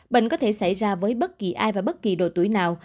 bệnh có thể xảy ra với bất kỳ ai và bất kỳ độ tuổi nào